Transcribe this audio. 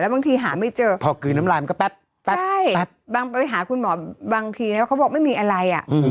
บางทีเขาบอกว่าไม่มีอะไร